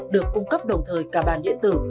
được cung cấp đồng thời cả bàn điện tử